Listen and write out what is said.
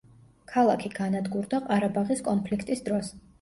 ქალაქი განადგურდა ყარაბაღის კონფლიქტის დროს.